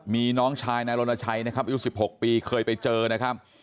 มีน้องชายนายรณชัยนะครับอายุ๑๖ปีเคยไปเจอนะครับ